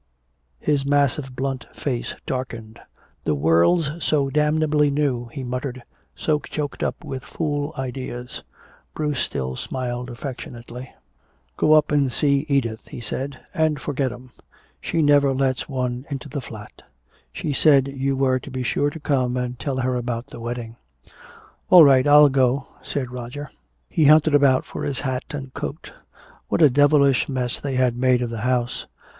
His massive blunt face darkened. "The world's so damnably new," he muttered, "so choked up with fool ideas." Bruce still smiled affectionately. "Go up and see Edith," he said, "and forget 'em. She never lets one into the flat. She said you were to be sure to come and tell her about the wedding." "All right, I'll go," said Roger. He hunted about for his hat and coat. What a devilish mess they had made of the house.